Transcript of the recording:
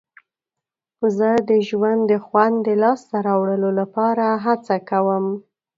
زه د ژوند د خوند د لاسته راوړلو لپاره هڅه کوم.